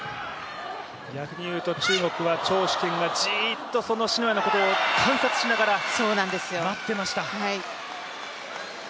逆に言うと、中国は張殊賢がじっと篠谷のことを観察しながら待っていました。